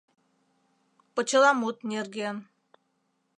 ПОЧЕЛАМУТ НЕРГЕН